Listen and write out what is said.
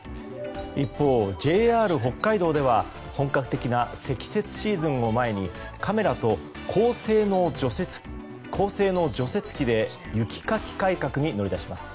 一方、ＪＲ北海道では本格的な積雪シーズンを前にカメラと高性能除雪機で雪かき改革に乗り出します。